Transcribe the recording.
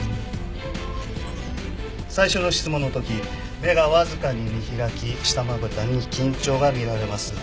最初の質問の時目がわずかに見開き下まぶたに緊張が見られます。